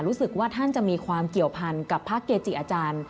รู้สึกว่าท่านจะมีความเกี่ยวพันกับพระเกจิอาจารย์